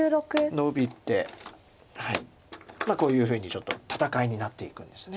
ノビてこういうふうにちょっと戦いになっていくんです。